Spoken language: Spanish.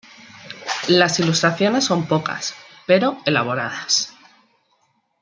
Las ilustraciones son pocas, pero elaboradas.